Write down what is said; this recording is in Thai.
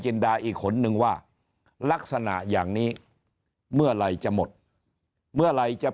ดาอีกคนนึงว่าลักษณะอย่างนี้เมื่อไหร่จะหมดเมื่อไหร่จะ